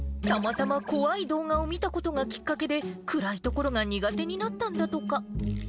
たまたま怖い動画を見たことがきっかけで、暗い所が苦手になったんだとか。